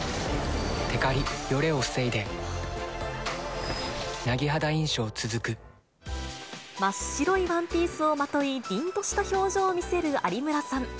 てかり、よれを防いで、真っ白いワンピースをまとい、りんとした表情を見せる有村さん。